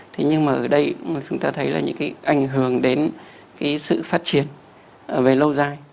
thế nhưng mà ở đây chúng ta thấy là những cái ảnh hưởng đến cái sự phát triển về lâu dài